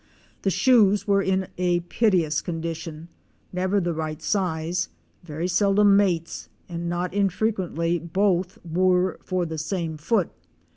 The shoes were in a piteous condition, never the right size, very seldom mates and not infrequently both were for the same foot.